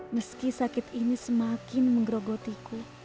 meski sakit ini semakin menggerogotiku